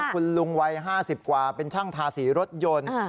คุณลุงวัย๕๐กว่าเป็นช่างทาสีรถยนต์